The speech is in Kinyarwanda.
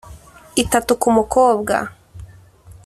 itatu ku mukobwa,